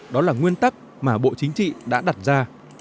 đó là nguyên tắc mà bộ chính trị đã đặt ra